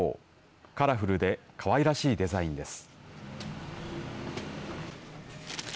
カラフルでかわいらしいデザインです。